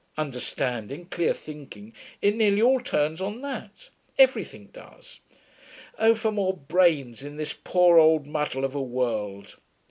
Understanding clear thinking it nearly all turns on that; everything does. Oh for more brains in this poor old muddle of a world!